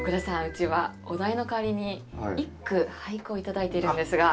うちはお代の代わりに一句俳句を頂いているんですが。